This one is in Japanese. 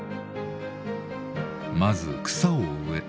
まず草を植え